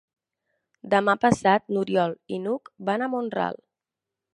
Demà passat n'Oriol i n'Hug van a Mont-ral.